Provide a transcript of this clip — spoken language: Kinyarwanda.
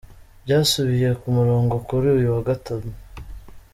Byasubiye ku murongo kuri uyu wa Gatanu.